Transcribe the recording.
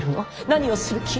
何をする気。